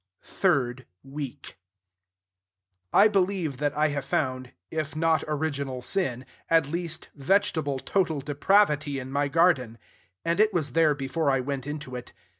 THIRD WEEK I believe that I have found, if not original sin, at least vegetable total depravity in my garden; and it was there before I went into it.